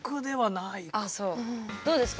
どうですか？